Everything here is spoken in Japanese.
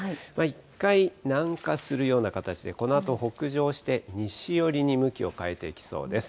一回南下するような形で、このあと北上して、西寄りに向きを変えていきそうです。